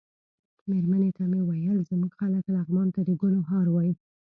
مېرمنې ته مې ویل زموږ خلک لغمان ته د ګلو هار وايي.